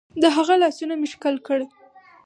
د هغه لاسونه مې ښکل کړل.